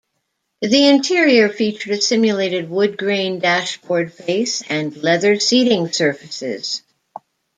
The interior featured a simulated woodgrain dashboard face and leather seating surfaces.